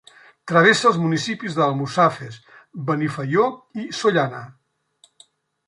Travessa els municipis d'Almussafes, Benifaió i Sollana.